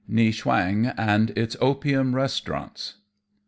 NIEAVCHWANG AND ITS OPIUM RESTAURANTS.